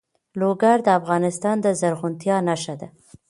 لوگر د افغانستان د زرغونتیا نښه ده.